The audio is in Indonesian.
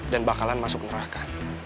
dan bakalan masuk neraka